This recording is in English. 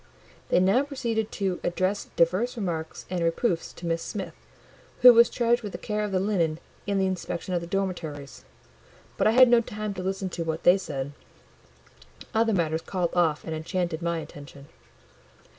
They now proceeded to address divers remarks and reproofs to Miss Smith, who was charged with the care of the linen and the inspection of the dormitories: but I had no time to listen to what they said; other matters called off and enchanted my attention.